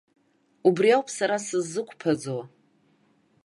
Убри ауп сара сыззықәԥаӡо!